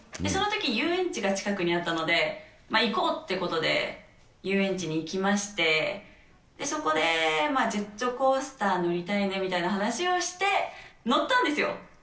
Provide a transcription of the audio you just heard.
そのとき、遊園地が近くにあったので、行こうってことで、遊園地に行きまして、そこでジェットコースター乗りたいねみたいな話をして、乗ったんですよ。